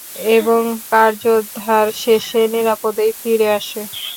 এবং কার্যোদ্ধার শেষে নিরাপদেই ফিরে আসে।